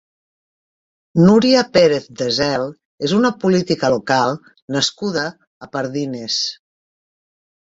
Núria Pérez Desel és una política local nascuda a Pardines.